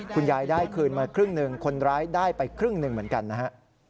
คุณยายได้คืนมาครึ่งหนึ่งคนร้ายได้ไปครึ่งหนึ่งเหมือนกันนะฮะ